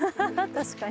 確かに。